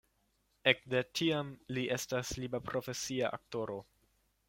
Ekde tiam li estas liberprofesia aktoro.